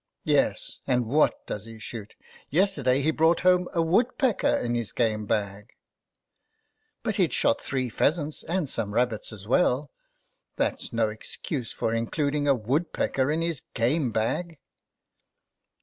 " Yes ; and what does he shoot ? Yester day he brought home a woodpecker in his game bag." THE BAG ^^" But he'd shot three pheasants and some rabbits as well." "That's no excuse for including a wood pecker in his game bag."